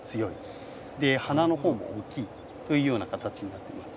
花の方も大きいというような形になってます。